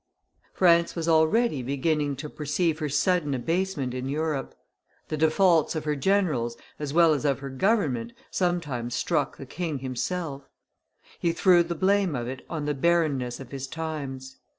France was already beginning to perceive her sudden abasement in Europe; the defaults of her generals as well as of her government sometimes struck the king himself; he threw the blame of it on the barrenness of his times.